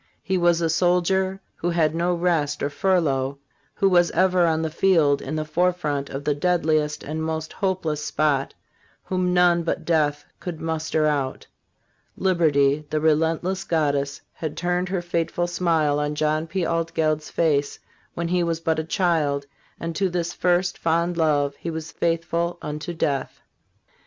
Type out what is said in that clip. he was a soldier who had no rest or furlough, who was ever on the field in the forefront of the deadliest and most hopeless spot, whom none but death could muster out. Liberty, the relentless goddess, had turned her fateful smile on John P. Altgeld's face when he was but a child, and to this first, fond love he was faithful unto death.